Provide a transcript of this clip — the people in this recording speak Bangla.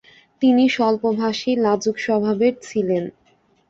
তিনি স্বল্পভাষী লাজুক স্বভাবের ছিলেন।